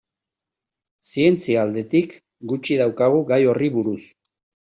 Zientzia aldetik gutxi daukagu gai horri buruz.